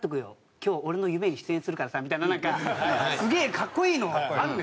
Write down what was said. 「今日俺の夢に出演するからさ」みたいななんかすげえかっこいいのあるんですよ。